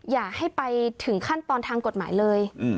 อย่าให้ไปถึงขั้นตอนทางกฎหมายเลย